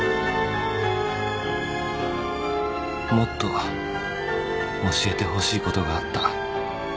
もっと教えてほしいことがあった。